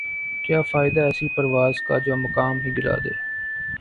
کیا فائدہ ایسی پرواز کا جومقام ہی گِرادے